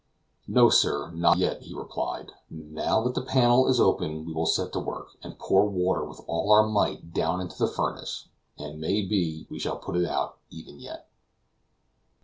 "No, sir, not yet," he replied, "now that the panel is open we will set to work, and pour water with all our might down into the furnace, and may be, we shall put it out, even yet."